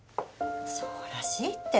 そうらしいって。